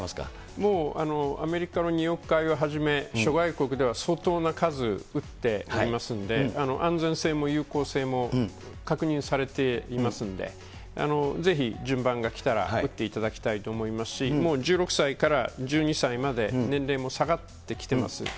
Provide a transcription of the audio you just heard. もうアメリカの２億回をはじめ、諸外国では相当な数、打っておりますんで、安全性も有効性も確認されていますんで、ぜひ、順番がきたら、打っていただきたいと思いますし、もう１６歳から１２歳まで、年齢も下がってきてます。